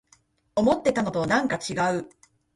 思ってたのとなんかちがう